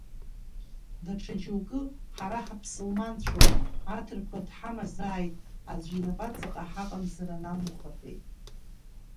Даҽа џьоукы, ҳара ҳамсылманцәоуп, аҭырқәа дҳамазааит, аӡәы инапаҵаҟа ҳаҟамзар анамух рҳәеит.